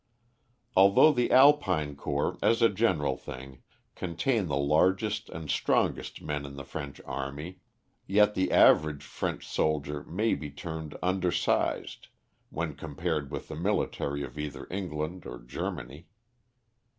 Although the Alpine Corps, as a general thing, contain the largest and strongest men in the French Army, yet the average French soldier may be termed undersized when compared with the military of either England or Germany.